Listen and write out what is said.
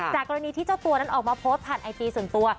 กรณีที่เจ้าตัวนั้นออกมาโพสต์ผ่านไอจีส่วนตัว